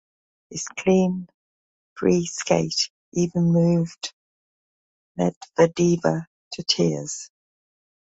His clean free skate even moved Medvedeva to tears.